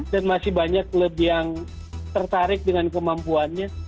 dan masih banyak klub yang tertarik dengan kemampuannya